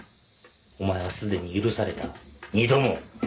お前はすでに許された二度も